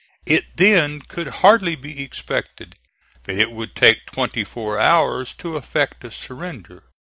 It then could hardly be expected that it would take twenty four hours to effect a surrender.